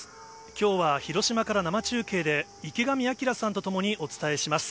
きょうは広島から生中継で、池上彰さんと共にお伝えします。